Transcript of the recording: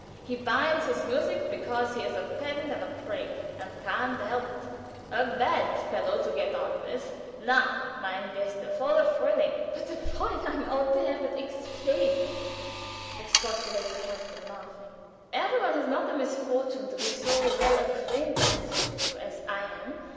He binds his music because he is a pedant and a prig, and can't help it; a bad fellow to get on with. Now, mein bester, for the 'Fruhling.'" "But the Fräulein ought to have it explained," expostulated Helfen, laughing. "Every one has not the misfortune to be so well acquainted with you as I am.